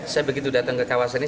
saya begitu datang ke kawasan ini